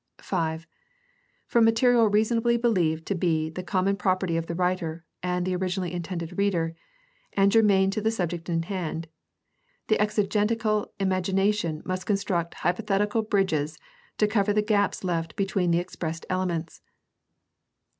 (5) From material reasonably believed to be the common property of the writer and the originally intended reader, and germane to the subject in hand, the exegetical imagination must construct hypothetical bridges to cover the gaps left between the expressed elements.